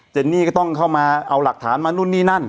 นี่ก็ต้องเข้ามาเอาหลักฐานมานู่นนี่นั่น